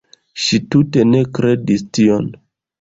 Ŝi tute ne kredis tion.